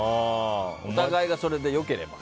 お互いがそれでよければ。